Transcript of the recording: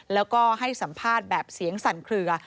แล้วก็ให้สัมภาษณ์แบบเสียงสั่นเคลือ